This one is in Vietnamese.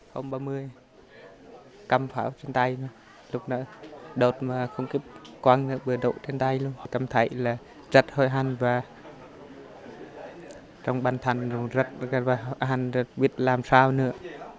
hôm ba mươi cầm pháo trên tay lúc đó đột mà không kịp quăng vừa đổ trên tay luôn cảm thấy là rất hơi hăn và trong bản thân rất hơi hăn biết làm sao nữa